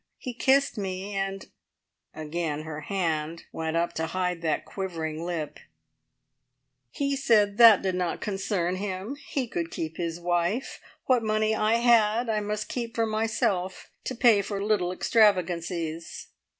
He kissed me, and" again her hand went up to hide that quivering lip "he said that did not concern him. He could keep his wife. What money I had I must keep for myself, to pay for `little extravagancies'.